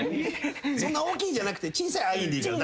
そんな大きいんじゃなくて小さいアインでいいから。